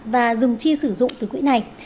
và dùng chi sử dụng từ quỹ này